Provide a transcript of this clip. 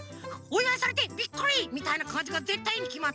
「おいわいされてビックリ！」みたいなかんじがぜったいいいにきまってる。